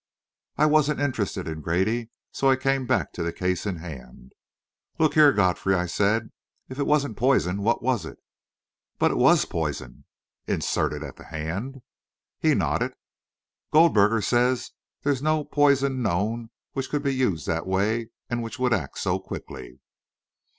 I wasn't interested in Grady, so I came back to the case in hand. "Look here, Godfrey," I said, "if it wasn't poison, what was it?" "But it was poison." "Inserted at the hand?" He nodded. "Goldberger says there's no poison known which could be used that way and which would act so quickly."